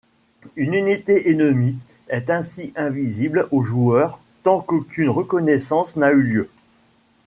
Une unité ennemie est ainsi invisible au joueur tant qu’aucune reconnaissance n’a eu lieu.